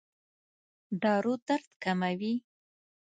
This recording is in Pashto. دارو درد کموي؟